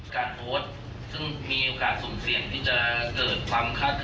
การโพสต์ซึ่งมีโอกาสสุ่มเสี่ยงที่จะเกิดความคาดเคลื่อนหรือเข้าใจผิดของประชาชนได้ครับ